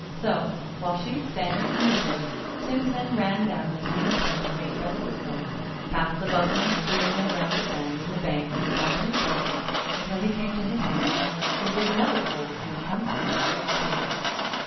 So, while she sang and knitted, Tim Tim ran down the tiny path made by the woodfolk, past the bubbling spring and around the bend in the bank of the tumbling brooklet until he came to his home, which was another hole in the trunk of an old tree.